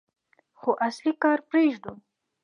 خو اصلي کار پرېږدو.